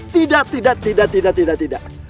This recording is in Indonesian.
tidak tidak tidak tidak tidak tidak